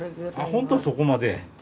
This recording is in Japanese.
本当はそこまで。